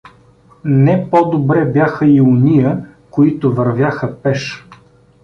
Не по-добре бяха и ония, които вървяха пеш.